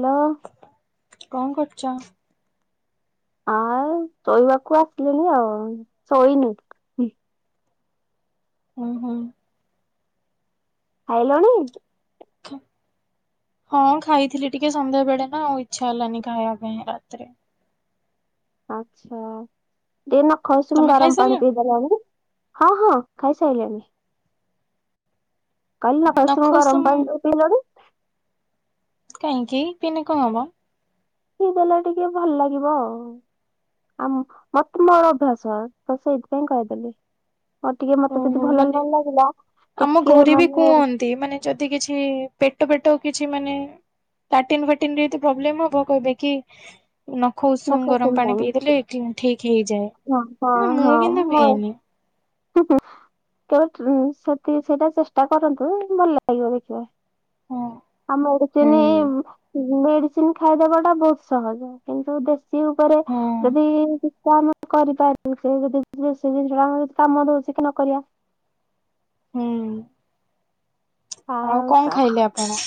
Hello. କଣ କରୁଛ? ଆଉ ଶୋଇବାକୁ ଆସିଲିଣି ଆଉ ଶୋଇନି। ହୁଁ ହୁଁ। ଖାଇଲଣି? ଖା ହଁ ଖାଇଥିଲି ଟିକେ ସନ୍ଧ୍ୟାବେଳେ ନା ଆଉ ଇଚ୍ଛା ହେଲାନି ଖାଇବା ପାଇଁ ରାତିରେ। ଆଚ୍ଛା ଟିକେ ନଖ ଉଷୁମ୍ ତମେ ଗରମ ପାଣି ଖାଇସାରିଲଣି ପିଇଦେଲନି? ହଁ ହଁ ଖାଇ ସାଇଲିଣିି। କଲି ନଖ ଉଷୁମ୍ ଗରମ ନଖଉସମ ପାଣି ପିଇଲନି। କାହିଁକି କେନ କ ହବ? ପି ଦେଲେ ଟିକେ ଭଲ ଲାଗିବ ଆଉ। ଆ ମତେ ମୋର ଅଭ୍ୟାସ ତ ସେଇଥିପାଇଁ କହିଦେଲି। ଆଉ ଟିକେ ମତେ ଯଦି ଓହୋ ଭଲ ମାନେ ନ ଲାଗିଲା ଆମ ଟିକେ ଘରେ ବି ମାନେ କୁହନ୍ତି ମାନେ ଯଦି କିଛି ପେଟ ପେଟ କିଛି ମାନେ ଲାଟିନ୍ ଫାଟିନ ପ୍ରୋବ୍ଲେମ ହବ କହିବେ କି ନଖ ଉଷୁମ ଗରମ ପାଣି ପିଇଦେଲେ ଠିକ ହେଇଯାଏ। ହଁ ମାନେ ହଁ ମୁଁ ହଁ କିନ୍ତୁ ହଉ। ପିଏନି। କେବେ ସେ ସେଇଟା ଚେଷ୍ଟା କରନ୍ତୁ ଭଲ ଲାଗିବ ଦେଖିବ। ହଁ ଆ ହୁଁ ମେଡିସିନ ମେଡିସିନ ଖାଇଦବା ଟା ବହୁତ ସହଜ କି ନ୍ତୁ ଦେଶୀ ଉପରେ ହୁଁ ଯଦି କଣ କରିପାରିବି ସେ ଯଦି ସେ ଜିନିଷଟା ଆମ ଯଦି କାମ ଦଉଛି କି ନ କରିବା ହୁଁ। ଆଉ କଣ ଖାଇଲେ ଆପଣ?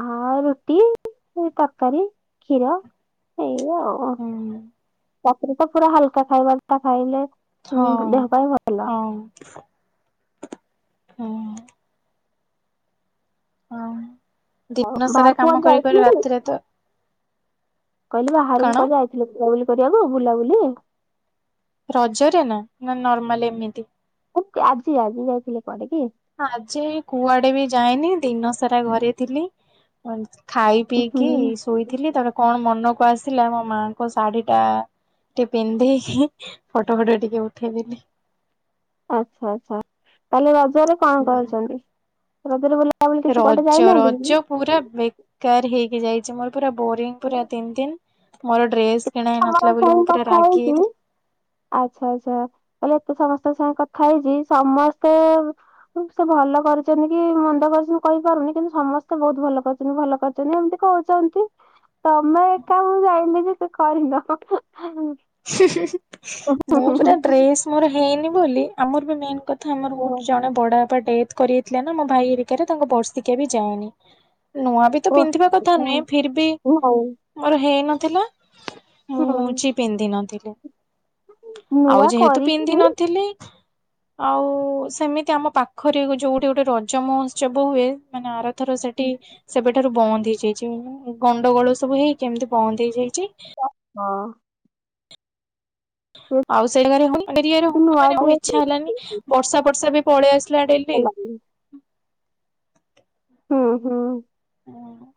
ଆ ରୁଟି ତରକାରୀ କ୍ଷୀର ସେଇ ଆଉ ହୁଁ ତାକୁ ତ ପୁରା ହାଲକା ଖାଇବାଲା ଖାଇଲେ ଉଁ ହଁ ଦେହ ପାଇଁ ଭଲ ହଁ ହଁ। ହଁ ଆଉ ଦିନ ସାରା କାମ ବାହାରକୁୁଆଡ଼େ କରି କରି ଯାଇଥିଲେ କି? ରାତିରେ ତ କହିଲେ ବାହାରକୁ କଣ କୁଆଡ଼େ ଯାଇଥିଲେ ବୁଲାବୁଲି କରିବାକୁ ବୁଲାବୁଲି ରଜରେ ନା ନା ନର୍ମାଲ ଏମିତି? ଆଜି ଆଜି ଯାଇଥିଲେ କୁଆଡେ କି? ଆଜି କୁଆଡେ ବି ଯାଇଏନି ଦିନ ସାରା ଘରେ ଥିଲି। ଖାଇ ପିଇକି ହୁଁ ଶୋଇଥିଲି ତାପ କଣ ମନକୁ ଆସିଲା ମୋ ମାଙ୍କ ଶାଢୀ ଟା ଟିକେ ପିନ୍ଧେଇିକି ଫଟୋ ଫଟ ଟିକେ ଉଠେଇଦେଲି। ଆଚ୍ଛା ଆଚ୍ଛା ତାହଲେ ରଜରେ କଣ କରଛନ୍ତି ରଜରେ ବ ତା କିଛି କୁଆଡେ ରଜ ଯାଇନାହାନ୍ତି ରଜ କି? ପୁରା ବେକାର ହେଇକି ଯାଇଛି ମୋର ପୁରା ବୋରିଙ୍ଗ ପୁରା ତିନ ଦିନ ମୋର ଡ୍ରେସ୍ କିଣା ହେଇ ତମର ନଥିଲା ବୋଲି ମୁଁ ସାଙ୍ଗେ ପୁରା କଥା ରାଗି ହେଇଛି ଯାଇଥିଲି ଆଚ୍ଛା ଆଚ୍ଛା କହିଲଲେ ଏତେ ସମସ୍ତଙ୍କ ସାଙ୍ଗେ କଥା ହେଇଛି ସମସ୍ତେ ସେ ଭଲ କରିଛନ୍ତି କି ମନ୍ଦ କରିଛନ୍ତି କହିପାରୁନି କିନ୍ତୁ ସମସ୍ତେ ବହୁତ ଭଲ କରିଛନ୍ତି ଭଲ କରି କି ଏମିତି କହୁଛନ୍ତି ହଁ ତମେ ଏକା ମୁଁ ଜାନି ଯେ ସେ କରିନ [unintelligible] ମୁଁ ପୁରା ଡ୍ରେସ ମୋର ହେଇନି ବୋଲି ଆମର ବି ମେନ୍ କଥା ଆମର ଗେ ଜଣେ ବଡ ବାବା ଡେଥ କରିଇଥିଲା ନା ଆମ ଭାଇ ଏରିକାରେ ତାଙ୍କ ବର୍ସିକିଆ ବି ଯାଏନି ନୂଆ ବି ତ ପିନ୍ଧିବା କଥା ନୁହେଁ ଫିର ବି ମୋର ହେଇ ନଥିଲା ହୁଁ। ପିନ୍ଧ ନଥିଲେ ନୂଆ ଆଉ ଯେହେତୁ କରିକି ପିନ୍ଧି ହଁ। ନଥିଲି ଆଉ ସେମିତି ଆମ ପାଖରେ ଯୋଉଠି ଗୋଟେ ରଜ ମହୋତ୍ସବ ହୁଏ ମାନେ ଆର ଥର ସେଠି ସେବେଠାରୁ ବନ୍ଦ ହେଇଯାଇଛି ଗଣ୍ଡଗୋଳ ସବୁ ହେଇ କେମିତି ବନ୍ଦ ହେଇଯାଇଛି ଓ ହ। ଆଉ ସେଇାରେ ହ ଏରିଆରେ ହ ନୂଆ ମାନେଉ ଡ୍ରେସ ଇ୍ଛା ହେଲାନି ବର୍ଷା ବର୍ଷା ବି ପଳେଇ ଆସିଲା ଡେଲି ହୁଁ ହୁଁ। ହ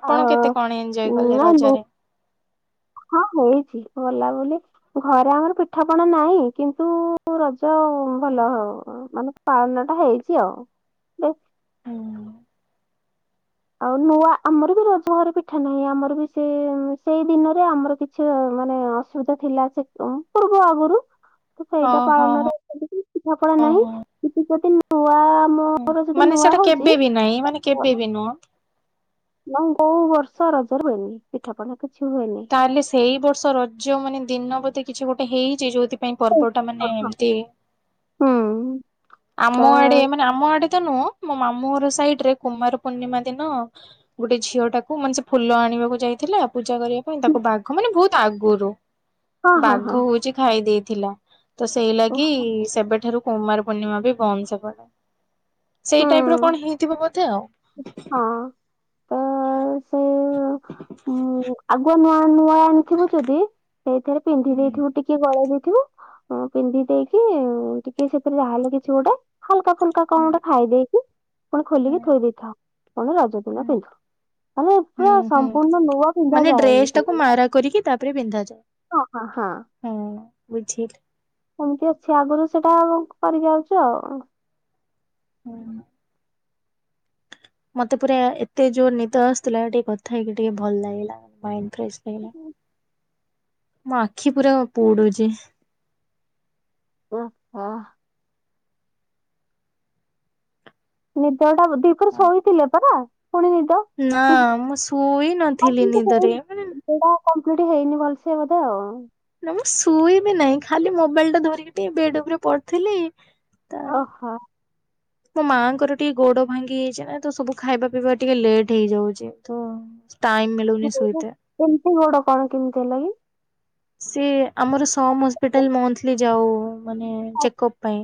ଆପଣ ଆଉ କେତେ କଣ ଏଞ୍ଜୟ କଲେ ନାଇଁ ରଜରେ? ହଁ ହେଇଛି ଗଲା ବୋଲି ଘରେ ଆମର ପିଠାପଣା ନାହିଁ କିନ୍ତୁ ତ ରଜ ଭଲ ହଉ ମାନେ ପାଳନ ଟା ହେଇଛି ଆଉ ବେ ହୁଁ। ଆଉ ନୂଆ ଆମର ବି ରଜ ଘରେ ପିଠା ନାହିଁ ଆମର ବି ସେ ସେଇ ଦିନରେ ଆମର କିଛି କିଛି ମାନେ ଅସୁବିଧା ଥିଲା ସେ ପୂର୍ବ ଆଗରୁ ତ ସେଇଟା ଓହୋ ହୋ ପାଳନରେ ଅଛନ୍ତି ପିଠାପଡା ଓ ନାହିଁ ହୋ କିଥିପତି ନୂଆ ମୋର ଯଦି ହୁଁ ମାନେ ନୂଆ ସେଟା ହଉଛି କେବେ ବି ନାହିଁ ମାନେ କେବେ ବି ନୁହଁ। ନାଇ କୋଉ ବର୍ଷ ରଜରେ ହୁଏନି ପିଠାପଣାା କିଛି ହୁଏନି। ତାହେଲେ ସେଇ ବର୍ଷ ରଜ ମାନେ ଦିନ ବୋଧେ କିଛି ଗୋଟେ ହେଇଛି ଯୋଉଥିପାଇଁ ପର୍ବ ଟା ମାନେ ଏମିତି ହୁଁ ତ ଆମ ଆଡେ ମାନେ ଆମ ଆଡେ ତ ନୁହଁ ମୋ ମାମୁର ସାଇଡ ରେ କୁମାର ପୂର୍ଣ୍ଣିମା ଦିନ ଗୋଟେ ଝିଅ ଟାକୁ ମାନେ ସେ ଫୁଲ ଆଣିବାକୁ ଯାଇଥିଲା ପୂଜା କରିବା ପାଇଁ ତାକୁ ବାଘ ମାନେ ବହୁତ ଆଗରୁ ହଁ ହଁ ହଁ ବାଘ ହଉଛି ଖାଇ ଦେଇେଥିଲା ତ ସେଇ ଓ, ଲାଗି ସେବେଠାରୁ କୁମାର ପୂର୍ଣ୍ଣିମା ବି ବନ୍ଦ ସେପଟେ ହୁଁ ସେଇ ଟାଇପ୍ ର କଣ ହେଇଥିବ ବୋଧେ ଆଉ। ହଁ। ତ ସେ ଆଗୁଆ ନୂଆ ନୂଆ ଆଣିଥିବୁ ଯଦି ସେଇଥିରେ ପିନ୍ଧି ହୁଁ। ଦେଇଥିବୁ ଟିକେ ଗଳେଇ ଦେଇଥିବୁ। ହଁ ପିନ୍ଧି ଦେଇକି ଟିକେ ସେଥିରି ଯାହାହେଲେ କିଛି ଗୋଟେ ହାଲକା ଫୁଲକା କଣ ଗୋଟେ ଖାଇଦେଇକି ପୁଣି ଖୋଲିକି ଥୋଇ ଦେଇଥାଉ ପୁଣି ରଜ ଦିନ ପିନ୍ଧୁ। ଆରେ ପୁରା ହୁଁ ହୁଁ ସମ୍ପୂର୍ଣ୍ଣ ନୁଆ ପିନ୍ଧା ଯାଏନି ସେଦିନ। ପିନ୍ଧା ଯାଏ। ଓ ଅ ହଁ। ହୁଁ ବୁଝିଲି। ସେମତି ଅଛି ଆଗରୁ ସେଇଟା ଆମେ କରି ଯାଉଛୁ ଆଉ। ହୁଁ। ମତେ ପୁରା ଏତେ ଜୋର ନିଦ ଆସୁଥିଲା ଟିକେ କଥା ହେଇକି ଟିକେ ଭଲ ଲାଗିଲା ମା ଫ୍ରେସ୍ ଲାଗିଲା ମୋ ଆଖି ପୁରା ପୁଡୁଛି। ଓ ହୋ। ନିଦ ଟା ଦିପହରେ ଶୋଇଥିଲେ ପରା ପୁଣି ନିଦ? ନା ମୁଁ ଶୁଇ ନଥିଲି ନିଦରେ ମାନେ ନିଦଟା କମ୍ପ୍ଲିଟ୍ ହେଇନି ଭଲସେ ବୋଧେ ଆଉ। ନା ମୁଁ ଶୁଇବି ନାହିଁ ଖାଲି ମୋବାଇଲ ଟା ଧରିକି ଟିକେ ବେଡ୍ ଉପରେ ପଡିଥିଲି। ତା ଓହୋ। ମୋ ମାଆଙ୍କର ଟିକେ ଗୋଡ ଭାଙ୍ଗି ଯାଇଛି ନା ତ ସବୁ ଖାଇବା ପିଇବା ଟିକେ ଲେଟ୍ ହେଇଯାଉଛି ତ। ଟାଇମ୍ ମିଳୁନି ଶୁଇତେ। ଏମତି ଗୋଡ କଣ କେମିତି ହେଲା କି? ସିଏ ଆମର ସମ୍ ହସ୍ପିଟାଲ୍ ମନ୍ଥଲି ଯାଉ ମାନେ ଆ, ଚେକଅପ୍ ପାଇଁ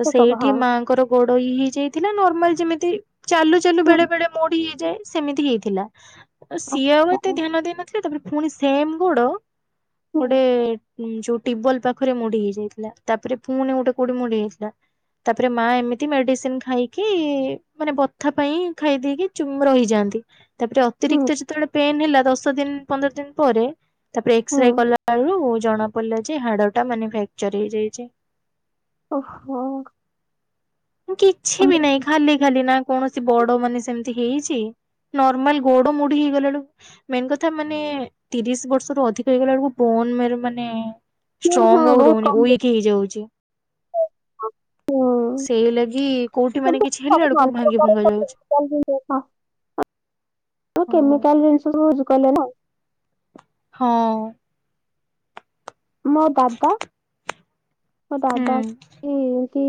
ତ ସେ କହିବ, ସେଇଠି ହଁ ମାଙ୍କର ଗୋଡ ଇଏହେଇଯାଇଥିଲା ନର୍ମାଲ ଯେମିତି ଚାଲୁ ଚାଲୁ ବେଳେ ହୁଁ ବେଳେ ମୋଡି ହେଇଯାଏ ସେମିତି ହେଇଥିଲା। ସିଏ ଆଉ ଆଚ୍ଛା ଏତେ ହୁଁ ଧ୍ୟାନ ଦେଇନଥିଲେ ତାପରେ ପୁଣି ସେମ୍ ଗୋଡ ଗୋଟେ ଯୋଉ ଟିବଳ ପାଖରେ ମୋଡି ହେଇ ଯାଇଥିଲା ତାପରେ ପୁଣି ଗୋଟେ କୋଉଠି ମୋଡି ହେଇଥିଲା। ତାପରେ ମା ଏମିତି ମେଡିସିନ୍ ଖାଇକି ମାନେ ବଥା ପାଇଁ ଖାଇ ଦେଇକି ଚୁମ୍ବ ରହିଯାଆନ୍ତି। ତାପରେ ଅ ହୁଁ ଅତିରିକ୍ତ ଯେତେବେଳେ ପେନ୍ ହେଲା ଦଶ ଦିନ ପନ୍ଦର ଦିନ ପରେ ତାପରେ ହୁଁ ଏକ୍ସରେ କଲା ବେଳୁ ଜଣା ପଲା ଯେ ହାଡ ଟା ମାନୂପ୍ୟାକଚର ହେଇଯାଇଛି। ଓହୋ। କିଛି ବି ଆମର ନାହିଁ ଖାଲି ଖାଲି ନା କୌଣସି ବଡ ମାନେ ସେମ ହେଇଛି ନର୍ମାଲ ଗୋଡ ମୋଡି ହେଇଗଲା ଳୁ ମେନ୍ କଥା ମାନେ ତିରିଶ ବର୍ଷ ରୁ ଅଧିକ ହେଇଗଲା ବେଳୁ ବୋନ୍ ମେରୁ ମାନେ ହଁ ହଁ ଷ୍ଟ୍ରଙ୍ଗ ଆଉ ରହୁନି ୱିକ୍ ହେଇଯାଉଛି। ହୁଁ। ସେଇ ଲାଗି କୋଉଠି ମାନେ କିଛି ହେଲା ହେଳକୁ ଭାଙ୍ଗି ଭୁଙ୍ଗା ଯାଉଛି। [inaudible] ହଁ। କେମିକାଲ୍ ଜିନିଷ ସବୁୁ ୟୁଜ୍ କଲେ ନା। ହଁ। ମୋ ଦାଦା ମୋ ହୁଁ ଦାଦା କି କି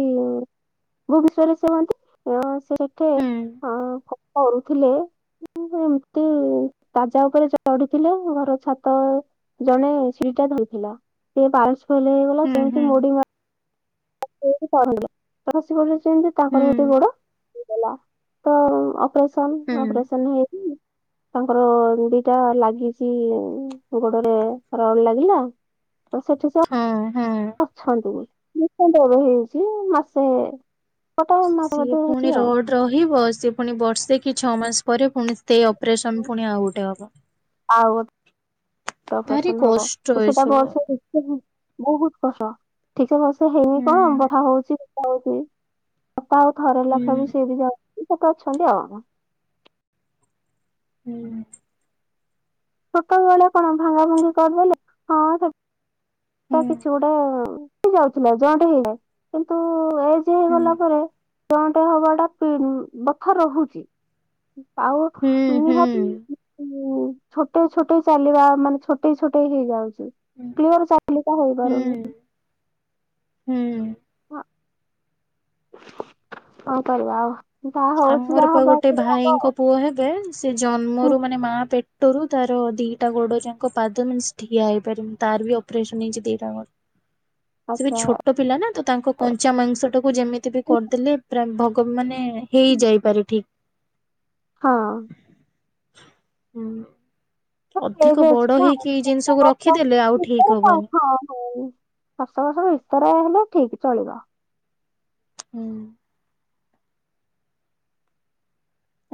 ଭୁବନେଶ୍ଵରେ ସେ ରୁହନ୍ତି ସେଠି ହୁଁ ଅ କଣ କରୁଥିଲେ। ଉଁ ଏମିତି ତାଜା ଉପରେ ଚଢିଥିଲେ ଘର ଛାତ ଜଣେ ସିଡି ଟା ଧରିଥିଲା ସେ [inaudible] ଫେଲ୍ ହେଇଗଲା ହୁଁ ସେ ହୁଁ [inaudible] ହୁଁ ତାଙ୍କର ଗୋଟେ ଗୋଡ [inaudible] ତ ହୁଁ ଅପରେସନ ଅପରେସନ ହେଇକି ତାଙ୍କର ଦିଟା ଲାଗିଛି ଗୋଡରେ ରଡ ଲାଗିଲା। ସେଠ ହଁ ହଁ। ଅଛନ୍ତୁ [unintelligible] ହେଇଯାଇଛି ମାସେ ଗୋଟେ ମାସ ବୋଧେ ସିଏ ହେଇଛି ପୁଣି ଆଉ ରୋଡ଼। ରହିବ ସେ ପୁଣି ବର୍ଷେ କି ଛଅ ମାସ ପରେ ପୁଣି ସେଇ ଅପ୍ରେସନ ପୁଣି ଆଉ ଗୋଟେ ହବ। ଆଉ ଗୋଟେ ଭାରି ଅପ୍ରେସନ ହବ କଷ୍ଟ ଏସବୁ [unintelligible] ବହୁତ କଷ୍ଟ ଠିକ ସେ ବର୍ଷେ ହେଇନି ହୁଁ କଣ [inaudible] ହଉଛି [inaudible] ବାପା ଆଉ ଘର ହୁଁ ଲୋକ ବି ସେଇ ବି ଯାଉଛନ୍ତି ସେତେ ଅଛନ୍ତି ଆଉ। ହୁଁ। ଛୋଟ ବେଳେ କଣ ଭାଙ୍ଗା ଭୁଙ୍ଗି କରିଦେଲେ ହଁ ତା ହୁଁ କିଛି ଗୋଟେ ହେଇ ଯାଉଥିଲା ଜଏଣ୍ଟ ହେଇଯାଏ କିନ୍ତୁ ହୁଁ ହେଇଗଲା ପରେ। ଜଏଣ୍ଟ ହବା ଟା [inaudible] ରହୁଛି। ଆଉ ହୁଁ ନିହାତି ଛୋଟେଇ ଛୋଟେଇ ଚାଲିବା ମାନେ ଛୋଟେଇ ଛୋଟେଇ ହେଇଯାଉଛି। ହୁଁ [unintelligible] ହେଇପାରୁନି। ହୁଁ ହୁଁ। ହଁ। କଁ କରିବା ଆଉ। ଯାହା ହଉଛି ଆମର ଯାହା ପା ହବା ଗୋଟେ କଥା ହବ ଆଉ। ଭାଇଙ୍କ ପୁଅ ହେବେ ସେ ହୁଁ, ଜନ୍ମରୁ ମାନେ ମା ପେ ପେଟରୁ ତାର ଦିଟା ଗୋଡ ଯାଙ୍କ ପାଦ ମିନ୍ସ ଠିଆ ହେଇପାରୁନି ତାର ବି ଅପ୍ରେସନ ହେଇଛି ଦିଟା ଗୋଡ। ସେ ବି ଆଚ୍ଛା ଛୋଟ ପିଲା ନା ତ ତାଙ୍କ କଞ୍ଚା ମାଂସ ଟାକୁ ଯେମିତି ବି କରିଦେଲେ ପୁର ଭଗବ ମାନେ ହେଇ ଯାଇପାରେ ଠିକ୍। ହଁ। ହୁଁ। [unintelligible] ଦଶ ଅଧିକ ବଡ ବର୍ଷ ହେଇକି ଏଇ ଜିନିଷକୁ ରଖିଦେଲେ ଆଉ ଠିକ୍ ହବନି। ଭିତରେ ହେଲେ ଠିକ୍ ଚଳିବ। ହୁଁ।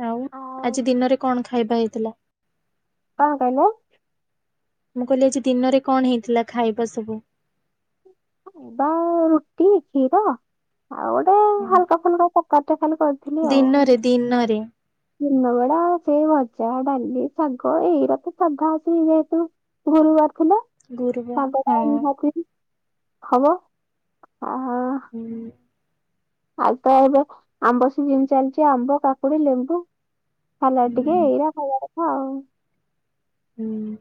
ଆଉ ଆଜି ଦିନରେ କଣ ଖାଇବା ହେଇଥିଲା। କଁ କହିଲ। ମୁଁ କହିଲି ଆଜି ଦିନରେ କଣ ହେଇଥିଲା ଖାଇବା ସବୁ। ପାଉଁରୁଟି କ୍ଷୀର। ଆଉ ଗୋଟେ ହାଲକା ଫୁଲକା ତରକାରୀ ଟେ ଖାଲି କରିଥିଲି ଆଉ। ଦିନରେ ଦିନରେ ଦିନ ବେଳା ସେଇ ଭଜା ଡାଲି ଶାଗ ଏଇରା ତ ସାଧା। [inaudible] ଗୁରୁବାର ଥିଲା ଗୁରୁବାର ଶାଗ ହଁ ଟା ନିହାତି। ହବ ଆ ହୁଁ। ଆଉ ତ ଏବେ ଆମ୍ବ ସିଜିନ ଚାଲିଛି ଆମ୍ବ କାକୁଡି ଲେମ୍ବୁ। ସାଲାଟ ଟିକେ ହୁଁ ଏଇରା ଖାଇବା କଥା ଆଉ। ହୁଁ।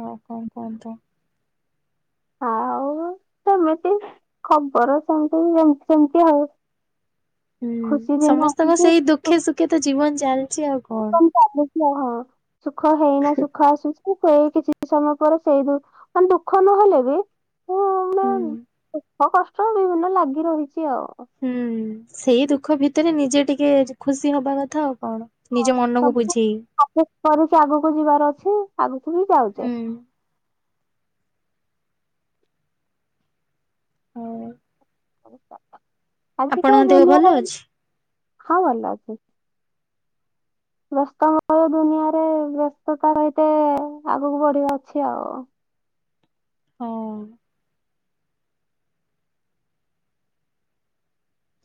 ଅହ [inaudible] ଆଉ ସେମିତି ଖବର ସେମିତି ଯେମିତି ସେମିତି ଆଉ। ହୁଁ ଖୁସି ଦିନ ସମସ୍ତଙ୍କ ଆସିଛି ସେଇ ଦୁଃଖେ ସୁଖେ ତ ଜୀବନ ଚାଲିଛି ଆଉ। କଣ ଜୀବନ ଚାଲିଛି ଆଉ ହଁ ସୁଖ ହେଇନା ସୁଖ ଆଶୁଚି କିଛି ସମୟ ପରେ ସେଇ ଦ ମାନେ ଦୁଃଖ ନହେଲେ ବି ହୁଁ। ମାନେ ଦୁଃଖ କଷ୍ଟ ବିଭିନ୍ନ ଲାଗି ରହିଛି ଆଉ। ହୁଁ ସେଇ ଦୁଃଖ ଭିତରେ ନିଜେ ଟିକେ ଖୁସି ହବା କଥା ଆଉ କଣ। ନିଜ ମନକୁ ସବୁ ବୁଝେଇ। କରିକି ଆଗକୁ ଯିବାର ଅଛି ଆଗକୁ ବି ଯାଉଚେ। ଆଉ ଆଜିକା ଆପଣଙ୍କ ଦେହ ଦୁନିଆ ଭଲ ହଁ ଅଛି? ଭଲ ଅଛି। ବ୍ୟସ୍ତ ବହୁଳ ଦୁନିଆରେ ବ୍ୟସ୍ତତା ସହିତ ଆଗକୁ ବଢିବା ଅଛି ଆଉ। ହଁ।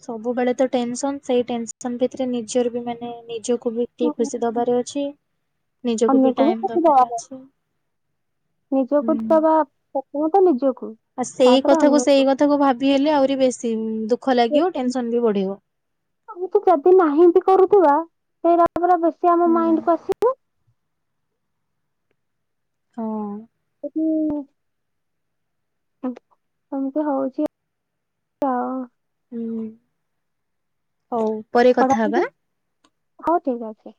ସବୁବେଳେ ତ ଟେନସନ ସେଇ ଟେନସନ ଭିତରେ ନିଜର ବି ମାନେ ନିଜକୁ ବି ଟିକେ ହୁଁ। ଖୁସି ଦବାରେ ଅଛି ନିଜକୁ ବି ଅନ୍ୟକୁ ଟାଇମ କିଛି ଦବାରେ ଦବାର ଅଛି। ନିଜକୁ ତ ଦବା ନିଜକୁ ଆ ସେଇ ତାପରେ କଥାକୁ ସେଇ ଅନ୍ୟକୁ କଥାକୁ ଭାବି ହେଲେ ଆହୁରି ବେଶୀ ଦୁଃଖ ଲାଗିବ ଟେନସନ ବି ବଢିବ। ଆ ତ ଯଦି ନାହିଁ ବି କରୁଥିବା ସେଇ ପା ବେଶୀ ଆମ ହୁଁ। ମାଇଣ୍ଡକୁ ଆସେ। ହଁ। ଏମିତି ଏମିତି ହଉଛି। ହଁ। ହୁଁ ହଉ ପରେ କଥା ହେବା। ପଢାପଢି ହଉ ଠିକ ଅଛି।